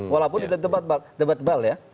walaupun ada debat bel ya